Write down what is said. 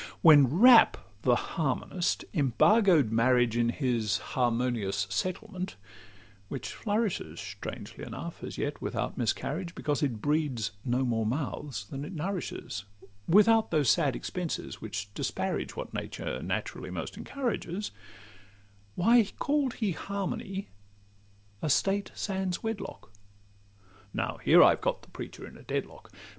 When Rapp the Harmonist embargo'd marriage In his harmonious settlement (which flourishes Strangely enough as yet without miscarriage, Because it breeds no more mouths than it nourishes, Without those sad expenses which disparage What Nature naturally most encourages)— Why call'd he 'Harmony' a state sans wedlock? Now here I've got the preacher at a dead lock.